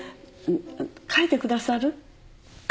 書いてくださる？あっ。